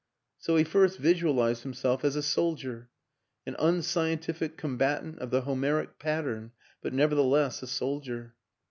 So he first visualized himself as a soldier an unscientific combatant of the Homeric pat tern, but nevertheless a soldier.